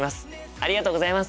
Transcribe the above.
ありがとうございます。